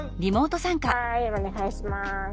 はいお願いします。